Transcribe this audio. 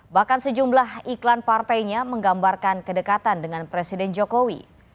bahkan sejumlah iklan partainya menggambarkan kedekatan dengan presiden jokowi